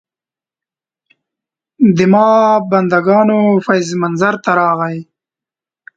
د ما بندګانو فیض منظر ته راغی.